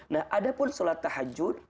nah ada pun sholat tahajud